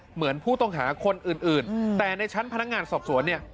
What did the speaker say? เหมือนผู้ต้องหาคนอื่นแต่ในชั้นพนักงานสอบสวนเนี่ย